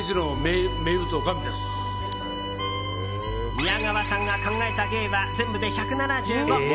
宮川さんが考えた芸は全部で１７５。